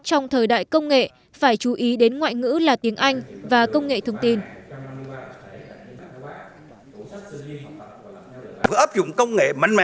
trong thời đại công nghệ phải chú ý đến ngoại ngữ là tiếng anh và công nghệ thông tin